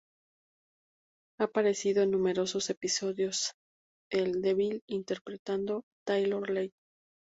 Ha aparecido en numerosos episodios de "The Bill", interpretando a Taylor Little.